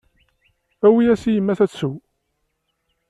Awi-yas i yemma-s ad tsew.